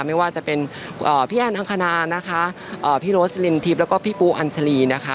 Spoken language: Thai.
ไม่ว่าจะเป็นพี่แอนอังคณานะคะพี่โรสลินทิพย์แล้วก็พี่ปูอัญชาลีนะคะ